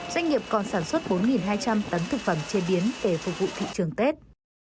doanh nghiệp còn sản xuất bốn hai trăm linh tấn thực phẩm chế biến để phục vụ thị trường tết